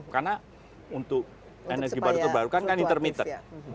karena untuk energi baru terbarukan kan intermittent